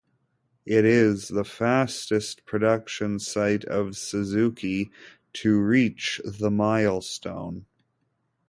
It is the fastest production site of Suzuki to reach the milestone.